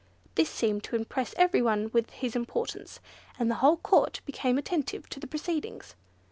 This seemed to impress every one with his importance, and the whole Court became attentive to the proceedings.